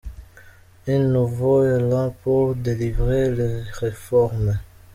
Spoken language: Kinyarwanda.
Un nouveau elan pour délivrer les reformes .